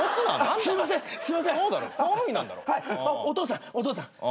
お父さんお父さん